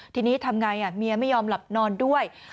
ทีนี้ทำไงเมียไม่ยอมหลับนอนด้วย